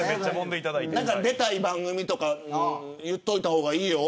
出たい番組とか言っておいた方がいいよ。